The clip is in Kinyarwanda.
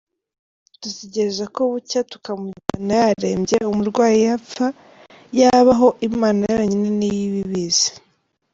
Dutegereza ko bucya, tukamujyana yarembye; Umurwayi yapfa, yabaho, Imana yonyine ni yo iba ibizi”.